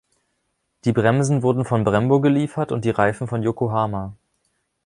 Die Bremsen wurden von Brembo geliefert und die Reifen von Yokohama.